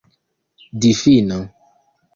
difino